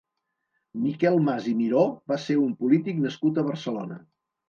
Miquel Mas i Miró va ser un polític nascut a Barcelona.